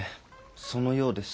そのようです。